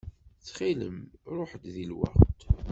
Ttxil-m ṛuḥ-d di lweqt.